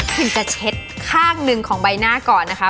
จะเช็ดข้างหนึ่งของใบหน้าก่อนนะคะ